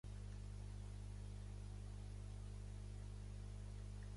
Consisteixen en monedes daurades de seca, el dinar, i en monedes platejades, el dirham.